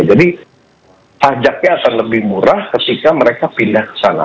jadi pajaknya akan lebih murah ketika mereka pindah ke sana